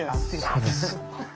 そうですか？